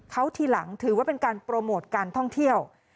เขาทีหลังถือว่าเป็นการโปรโมทการท่องเที่ยว